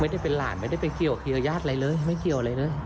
ไม่ได้เป็นหลานไม่ได้ไปเกี่ยวเครือญาติอะไรเลยไม่เกี่ยวอะไรเลย